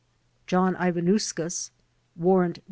John Ivanauskas (Warrant No.